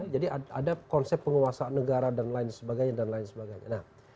jadi ada konsep penguasa negara dan lain sebagainya